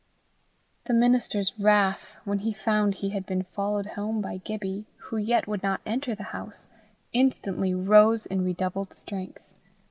The minister's wrath, when he found he had been followed home by Gibbie who yet would not enter the house, instantly rose in redoubled strength.